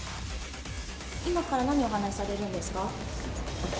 今から何をお話しされるんですか。